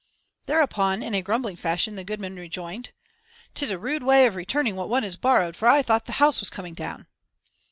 Thereupon in a grumbling fashion the goodman rejoined "'Tis a rude way of returning what one has borrowed, for I thought the house was coming down."